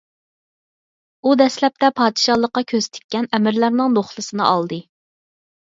ئۇ دەسلەپتە پادىشاھلىققا كۆز تىككەن ئەمىرلەرنىڭ نوخلىسىنى ئالدى.